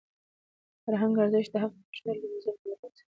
د فرهنګ ارزښت د حق په پېژندلو او د مظلوم په ملاتړ کې څرګندېږي.